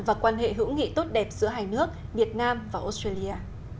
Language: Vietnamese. và quan hệ hữu nghị tốt đẹp giữa hai nước việt nam và australia